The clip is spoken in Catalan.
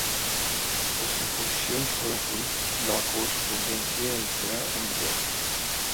Les composicions foren fruit de la correspondència entre ambdós.